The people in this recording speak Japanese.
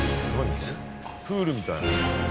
プールみたい。